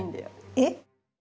えっ？